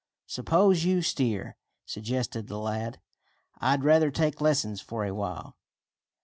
"Suppose you steer?" suggested the lad. "I'd rather take lessons for a while."